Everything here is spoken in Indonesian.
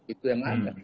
itu yang ada